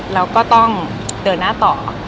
แล้วก็ต้องเดินหน้าต่อ